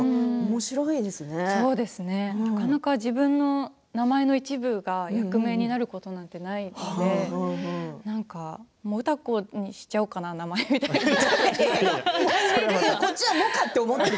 そうですね、なかなか自分の名前の一部が役名になることなんてないので歌子にしちゃおうかな名前なんて。